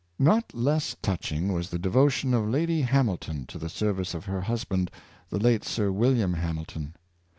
Not less touching was the devotion of Lady Ham ilton to the service of her husband, the late Sir William Hamilton.